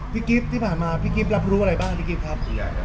กิ๊บที่ผ่านมาพี่กิ๊บรับรู้อะไรบ้างพี่กิฟต์ครับ